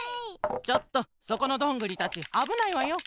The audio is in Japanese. ちょっとそこのどんぐりたちあぶないわよ。